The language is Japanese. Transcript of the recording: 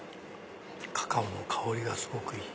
カカオの香りがすごくいい。